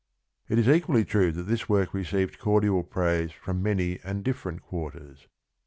It is equally true that this work received cor dial praise from many and different quarters.